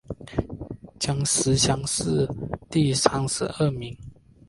江西乡试第三十二名。